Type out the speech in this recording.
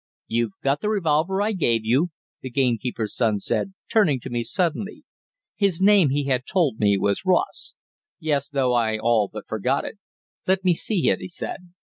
"You've got the revolver I gave you?" the gamekeeper's son said, turning to me suddenly. His name, he had told me, was Ross. "Yes, though I all but forgot it." "Let me see it," he said.